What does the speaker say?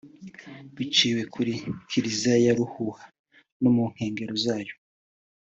biciwe kuri Kiliziya ya Ruhuha no mu nkengero zayo